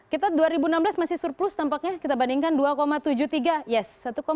kita dua ribu enam belas masih surplus tampaknya kita bandingkan dua tujuh puluh tiga yes satu tiga puluh tiga